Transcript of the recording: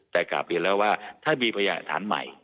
แต่กลับหิดแล้วว่าถ้ามีพยายามอันส่านใหม่